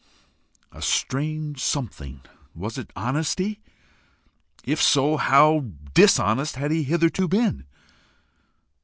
a strange something was it honesty? if so, how dishonest had he not hitherto been?